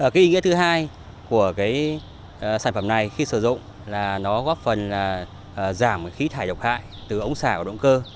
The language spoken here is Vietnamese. cái ý nghĩa thứ hai của sản phẩm này khi sử dụng là nó góp phần là giảm khí thải độc hại từ ống xả của động cơ